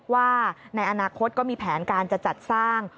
ว่าในอนาคตก็มีแผนการจะจัดสร้าง